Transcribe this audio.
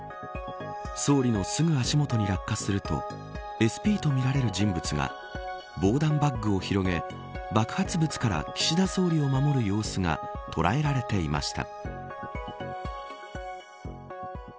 総理のすぐ足元に落下するとＳＰとみられる人物が防弾バッグを広げ爆発物から岸田総理を守る様子が捉えられていました。